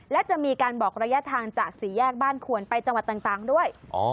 และจะมีการบอกระยะทางจากสี่แยกบ้านขวนไปจังหวัดต่างด้วย